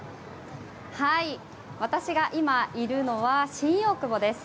私が今いるのは新大久保です。